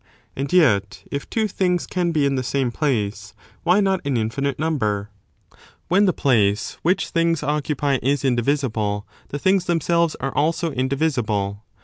And yet if two things can be in the same place, why not an infinite number? When the place which things occupy is indivisible, the things themselves are also indivisible.